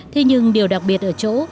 thế nhưng điều đặc biệt ở chỗ